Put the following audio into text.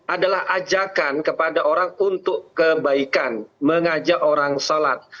adalah ajakan kepada orang untuk kebaikan mengajak orang sholat